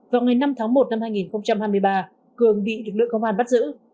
vào ngày năm tháng một năm hai nghìn hai mươi ba cường bị lực lượng công an bắt giữ